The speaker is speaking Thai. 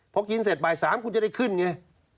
พอกินเสร็จบ่าย๓คุณจะได้ขึ้นไง